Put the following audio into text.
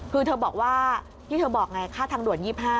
คือเธอบอกว่าที่เธอบอกไงค่าทางด่วน๒๕